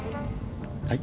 はい？